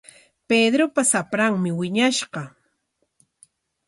Pedropa shapranmi wiñashqa.